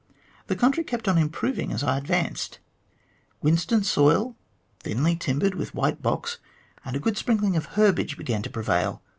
The country kept on improving as I advanced ; whinstone soil, thinly timbered with white box, and a good sprinkling of herbage began to prevail.